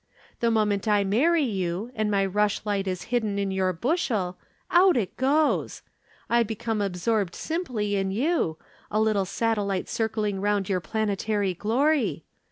The moment I marry you and my rushlight is hidden in your bushel, out it goes. I become absorbed simply in you, a little satellite circling round your planetary glory.